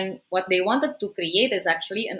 dan apa yang mereka inginkan menciptakan